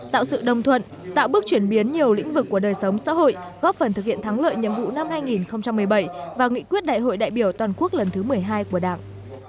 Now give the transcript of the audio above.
tạo sự đồng thuận tạo bước chuyển biến nhiều lĩnh vực của đời sống xã hội góp phần thực hiện thắng lợi nhiệm vụ năm hai nghìn một mươi bảy và nghị quyết đại hội đại biểu toàn quốc lần thứ một mươi hai của đảng